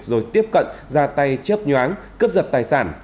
rồi tiếp cận ra tay chếp nhoáng cướp dập tài sản